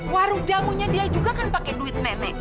warung jamunya dia juga kan pakai duit nenek